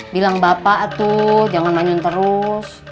bilang bapak tuh jangan manyun terus